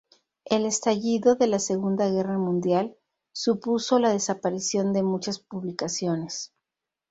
El estallido de la Segunda Guerra Mundial supuso la desaparición de muchas publicaciones.